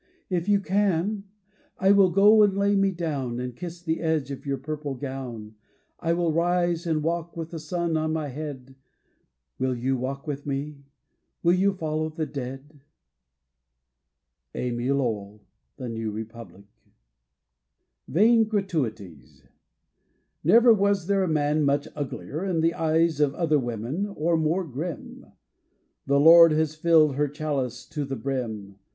If you can, I will go and lay me down And kiss the edge of your purple gown. I will rise and walk with the sun on my head. Will you walk with me, will you follow the dead? Amy Lowell — The New Republic VAIN GRATUITIES Never was there a man much uglier In the eyes of other women, or more grim : 'The Lord has flUed her chalice to the brim.